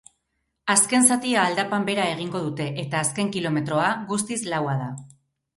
Azken zatia aldapan behera egingo dute eta azken kilometroa guztiz laua da.